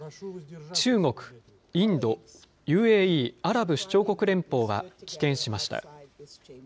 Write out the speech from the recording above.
中国、インド、ＵＡＥ・アラブ首長国連邦は棄権しました。